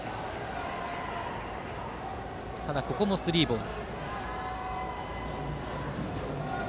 ただ、ここもスリーボール。